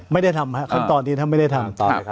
ไม่ได้ทำครับขั้นตอนนี้ท่านไม่ได้ทำ